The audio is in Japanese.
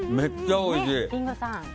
おいしい！